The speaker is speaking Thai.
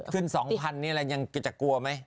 ขึ้นสองพันนี่แหละยังจะกลัวไหม